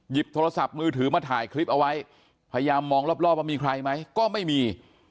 โทรศัพท์มือถือมาถ่ายคลิปเอาไว้พยายามมองรอบว่ามีใครไหมก็ไม่มี